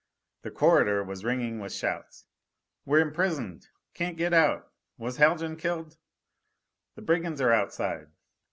The corridor was ringing with shouts. "We're imprisoned! Can't get out! Was Haljan killed? The brigands are outside!"